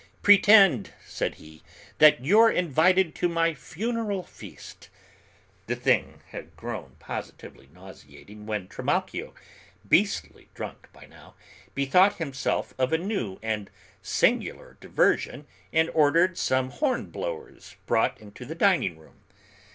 "Pretend," said he, "that you're invited to my funeral feast." The thing had grown positively nauseating, when Trimalchio, beastly drunk by now, bethought himself of a new and singular diversion and ordered some horn blowers brought into the dining room.